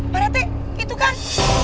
badai itu kan